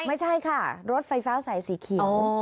ไม่ใช่ค่ะรถไฟฟ้าสายสีเขียว